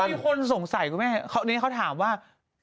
มีคนสงสัยกับแม่เขาถามว่า